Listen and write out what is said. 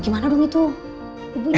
kamu aja yang bujuk ibu saya